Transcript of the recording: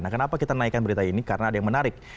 nah kenapa kita naikkan berita ini karena ada yang menarik